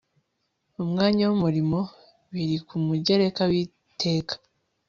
umwanya w umurimo biri ku mugereka w iri teka